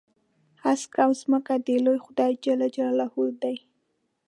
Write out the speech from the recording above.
هسک او ځمکه د لوی خدای جل جلاله دي.